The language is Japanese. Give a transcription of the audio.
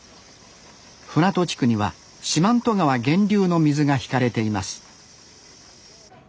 船戸地区には四万十川源流の水が引かれています